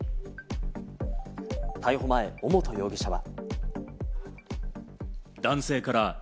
逮捕前、尾本容疑者は。